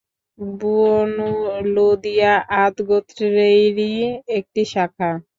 বনু লূদিয়া আদ গোত্রেরই একটি শাখা।